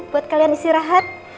buat kalian istirahat